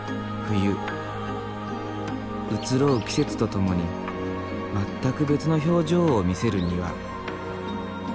移ろう季節とともに全く別の表情を見せる庭。